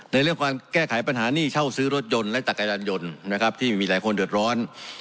ในเรื่องการแก้ไขปัญหาหนี้เช่าซื้อรถยนต์และจักรยานยนต์นะครับที่มีหลายคนเดือดร้อน